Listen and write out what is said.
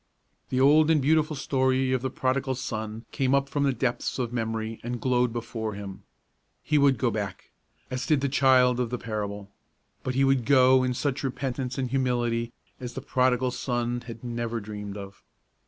The old and beautiful story of the Prodigal Son came up from the depths of memory and glowed before him. He would go back, as did the child of the parable; but he would go in such repentance and humility as the Prodigal Son had never dreamed of.